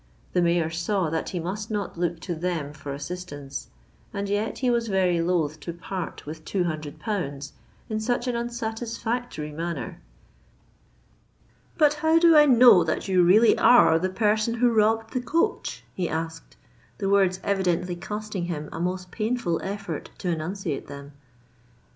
The Mayor saw that he must not look to them for assistance; and yet he was very loath to part with two hundred pounds in such an unsatisfactory manner.—"But how do I know that you really are the person who robbed the coach?" he asked, the words evidently costing him a most painful effort to enunciate them.